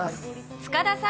塚田さん。